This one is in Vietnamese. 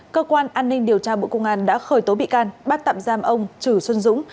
cơ quan an ninh điều tra bộ công an đã khởi tố bị can bắt tạm giam ông chử xuân dũng